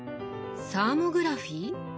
サーモグラフィー？